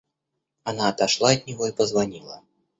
Она отошла от него и позвонила.